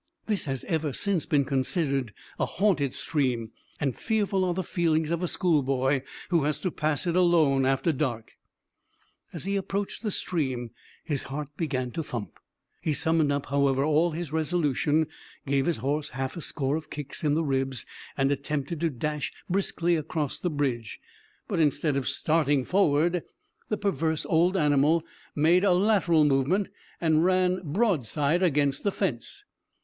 This has ever since been considered a haunted stream, and fearful are the feelings of a schoolboy who has to pass it alone after dark. As he approached the stream his heart began to thump; he summoned up, however, all his resolution, gave his horse half a score of kicks in the ribs, and attempted to dash briskly across the bridge; but instead of starting forward, the perverse old animal made a lateral movement, and ran broadside against the fence.